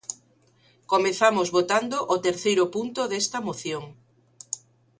Comezamos votando o terceiro punto desta moción.